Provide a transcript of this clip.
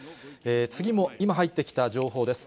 次も今、入ってきた情報です。